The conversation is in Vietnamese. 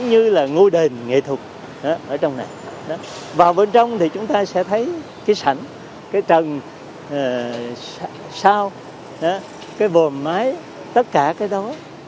nhưng bắt đầu vào trong thì chúng ta thấy sự chuyển tiếp của nó